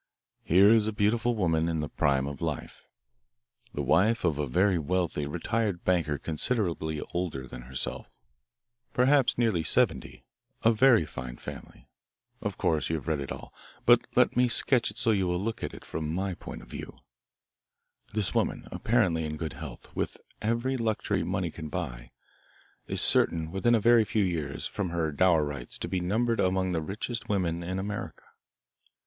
"Here is a beautiful woman in the prime of life, the wife of a very wealthy retired banker considerably older than herself perhaps nearly seventy of very fine family. Of course you have read it all, but let me sketch it so you will look at it from my point of view. This woman, apparently in good health, with every luxury money can buy, is certain within a very few years, from her dower rights, to be numbered among the richest women in America.